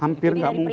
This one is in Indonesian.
hampir gak mungkin